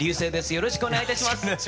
よろしくお願いします。